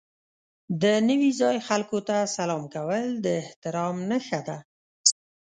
د نوي ځای خلکو ته سلام کول د احترام نښه ده.